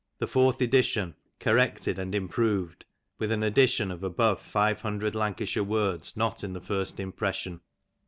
The fourth edition, '• corrected and improved, with an addition of above five hundred " Lancashire words not in the first impression.